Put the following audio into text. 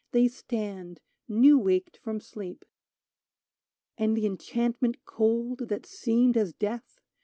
They stand, new waked from sleep ! And the enchantment cold That seemed as death